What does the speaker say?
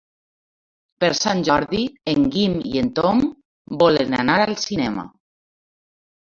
Per Sant Jordi en Guim i en Tom volen anar al cinema.